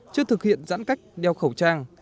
chưa thực hiện giãn cách đeo khẩu trang